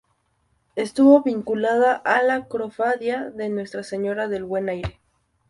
Estuvo vinculada a la Cofradía de Nuestra Señora del Buen Aire.